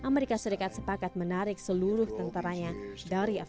ketika itu kita tidak hanya berada di dunia kita juga berada di dunia